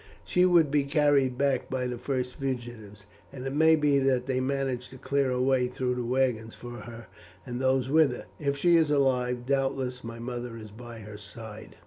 She would be carried back by the first fugitives, and it may be that they managed to clear a way through the wagons for her and those with her. If she is alive, doubtless my mother is by her side."